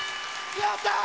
やったー！